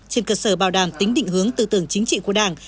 trên cơ sở bảo đảm tính định hướng tư tưởng chính trị của đảng